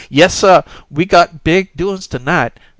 "Yessuh, we got big doin's to night!